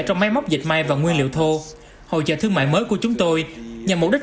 trong máy móc dệt may và nguyên liệu thô hội trợ thương mại mới của chúng tôi nhằm mục đích